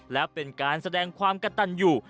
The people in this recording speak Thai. และเป็นการแสดงความกระตันอยู่